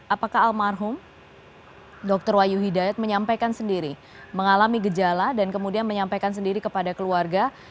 apakah almarhum dr wahyu hidayat menyampaikan sendiri mengalami gejala dan kemudian menyampaikan sendiri kepada keluarga